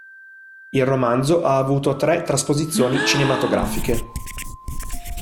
Il romanzo ha avuto tre trasposizioni cinematografiche.